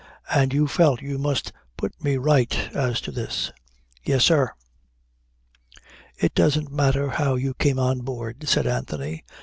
And you felt you must put me right as to this." "Yes, sir." "It doesn't matter how you came on board," said Anthony.